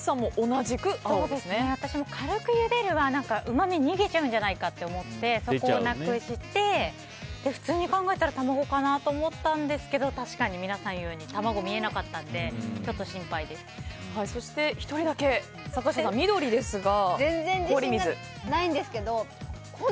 私も、軽くゆでるはうまみが逃げちゃうんじゃないかと思って、そこはなくして普通に考えたら卵かなと思ったんですけど確かに皆さんが言うように卵が見えなかったのでそして１人だけ全然、自信がないんですけど。